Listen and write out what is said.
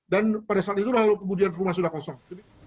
dan pada saat itu lalu kemudian rumah sudah kosong